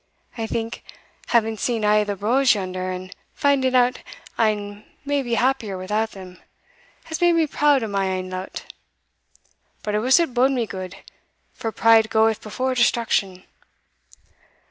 I think, having seen a' the braws yonder, and finding out ane may be happier without them, has made me proud o' my ain lot But I wuss it bode me gude, for pride goeth before destruction.